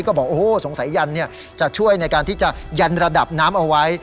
ก็บอกโอ้โหสงสัยยันจะช่วยในการที่จะยันระดับน้ำเอาไว้